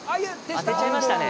当てちゃいましたね。